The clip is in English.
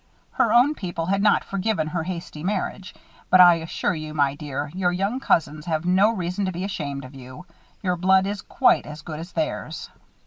Her own people had not forgiven her hasty marriage; but I assure you, my dear, your young cousins have no reason to be ashamed of you. Your blood is quite as good as theirs."